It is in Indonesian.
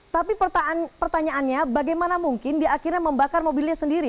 tapi pertanyaannya bagaimana mungkin dia akhirnya membakar mobilnya sendiri